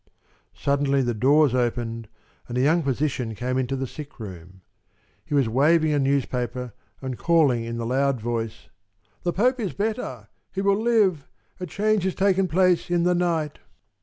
Suddenly the doors opened, and a young physician came into the sick room. He was waving a newspaper and calling in a loud voice: "The Pope is better. He will live. A change has taken place in the night."